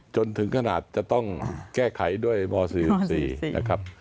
จนถึงขนาดจะต้องแก้ไขด้วยม๔๔นะครับ